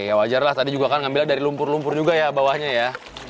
ya wajar lah tadi juga kan ngambilnya dari lumpur lumpur juga ya bawahnya ya